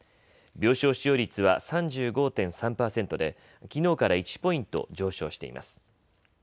病床使用率は３５．３％できのうから１ポイント上昇しています。